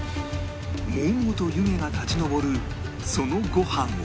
もうもうと湯気が立ち上るそのご飯を